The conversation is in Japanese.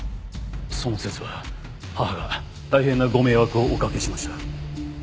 その節は母が大変なご迷惑をおかけしました。